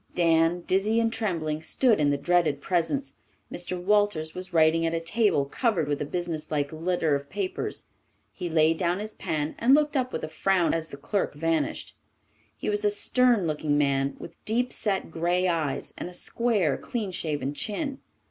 Dan, dizzy and trembling, stood in the dreaded presence. Mr. Walters was writing at a table covered with a businesslike litter of papers. He laid down his pen and looked up with a frown as the clerk vanished. He was a stern looking man with deep set grey eyes and a square, clean shaven chin.